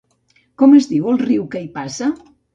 Com es diu el riu que hi passa?